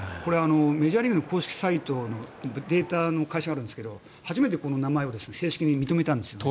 メジャーリーグの公式サイトのデータの会社があるんですが初めて名前を正式に認めたんですよ。